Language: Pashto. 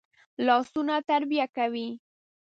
لاسونه تربیه کوي